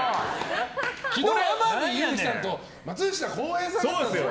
昨日、天海祐希さんと松下洸平さんですよ。